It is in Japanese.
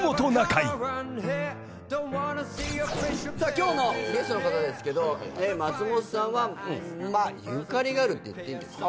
今日のゲストの方ですけど松本さんはゆかりがあるって言っていいんですかね。